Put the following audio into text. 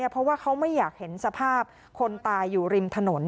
เพราะว่าเขาไม่อยากเห็นสภาพคนตายอยู่ริมถนน